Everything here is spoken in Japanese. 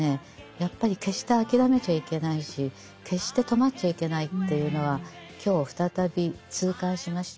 やっぱり決して諦めちゃいけないし決して止まっちゃいけないっていうのは今日再び痛感しました。